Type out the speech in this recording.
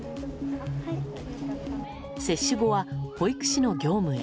接種後は保育士の業務へ。